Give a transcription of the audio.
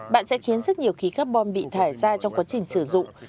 bạn sẽ khiến rất nhiều khí carbon bị thải ra trong quá trình sử dụng